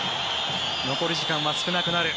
残り時間は少なくなる。